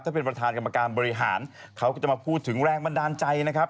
ถ้าเป็นประธานกรรมการบริหารเขาก็จะมาพูดถึงแรงบันดาลใจนะครับ